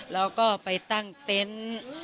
เราก็ไปตั้งเต็นต์